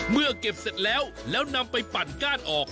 เมื่อเก็บเสร็จแล้วแล้วนำไปปั่นก้านออก